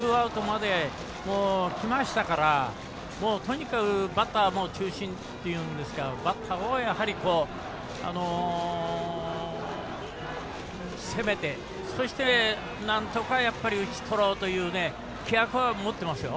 安田君としてみればツーアウトまできましたからとにかくバッター中心というんですかバッターを攻めてそしてなんとか打ち取ろうという気迫は持ってますよ。